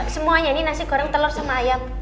semuanya ini nasi goreng telur sama ayam